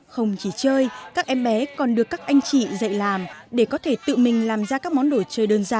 không chỉ chơi các em bé còn được các anh chị dạy làm để có thể tự mình làm ra các món đồ chơi đơn giản